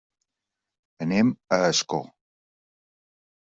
Anem a Ascó.